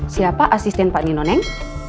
siapa asisten panino neng